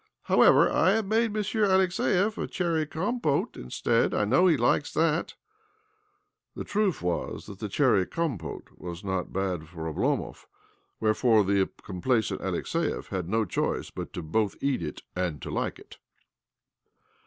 However, I have made Monsieur Alexiev a cherry compete instead. I know he likes that." The truth was that cherry compote was not bad for Oblomov ; wherefore the complacent Alexiev had no choice but both to eat it and to like it.